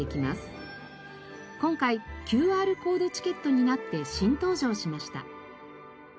今回ＱＲコードチケットになって新登場しました。